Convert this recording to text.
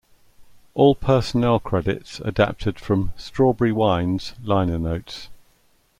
All personnel credits adapted from "Strawberry Wine"s liner notes.